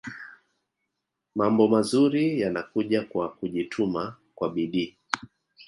Mambo manzuri yanakuja kwa kujituma kwa bidii